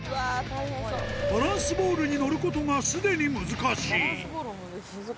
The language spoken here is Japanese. バランスボールに乗ることが、すでに難しい。